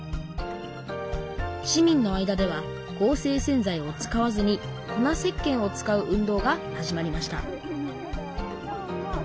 市民の間では合成洗剤を使わずに粉せっけんを使う運動が始まりました